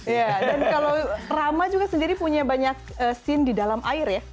ya dan kalau rama juga sendiri punya banyak scene di dalam air ya